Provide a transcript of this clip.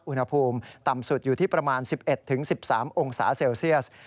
อุณหภูมิต่ำสุดอยู่ที่ประมาณ๑๑๑๑๓องศาเซลเซียส